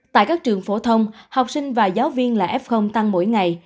tại các trường phổ thông học sinh và giáo viên là f tăng mỗi ngày